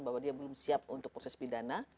bahwa dia belum siap untuk proses pidana